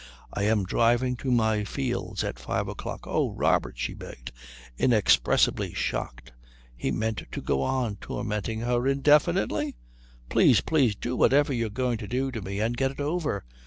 I am driving to my fields at five o'clock." "Oh, Robert," she begged, inexpressibly shocked, he meant to go on tormenting her then indefinitely? "please, please do whatever you're going to do to me and get it over.